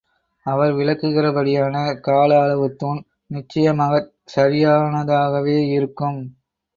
அவர் விளக்குகிறபடியான கால அளவுத் தூண் நிச்சயமாகச் சரியானதாகவேயிருக்கும்.